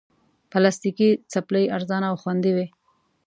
پلاستيکي چپلی ارزانه او خوندې وي.